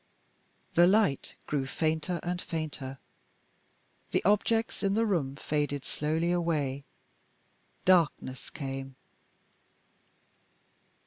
The light grew fainter and fainter; the objects in the room faded slowly away. Darkness came.